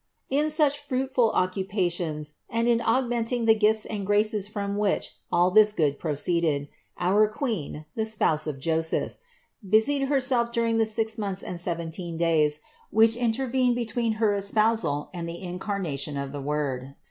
3. In such fruitful occupations and in augmenting the gifts and graces from which all this good proceeded, our Queen, the Spouse of Joseph, busied Herself during the six months and seventeen days, which intervened between her espousal and the Incarnation of the Word.